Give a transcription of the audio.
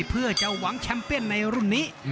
เพื่อจะหวังแชมเปียนในรุ่นนี้